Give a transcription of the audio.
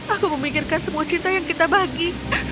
aku memikirkan semua cinta yang kita bagi